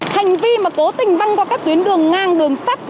hành vi mà cố tình băng qua các tuyến đường ngang đường sắt